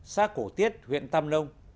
xã cổ tiết huyện tâm nông